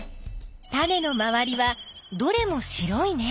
タネのまわりはどれも白いね。